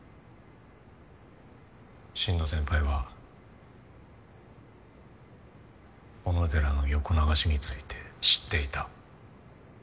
心野先輩は小野寺の横流しについて知っていた。